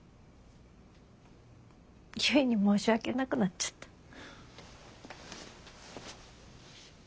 結に申し訳なくなっちゃった。